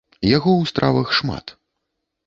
Яго ў стравах шмат.